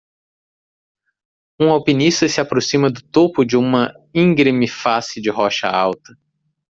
Um alpinista se aproxima do topo de uma íngreme face de rocha alta.